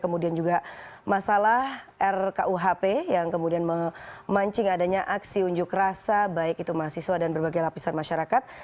kemudian juga masalah rkuhp yang kemudian memancing adanya aksi unjuk rasa baik itu mahasiswa dan berbagai lapisan masyarakat